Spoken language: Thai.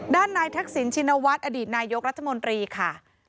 ด้านนายทักษิณชินวัฒน์อดีตนายกรัฐมนตรีค่ะ